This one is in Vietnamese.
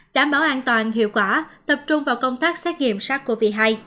đảm bảo an toàn hiệu quả tập trung vào công tác xét nghiệm sars cov hai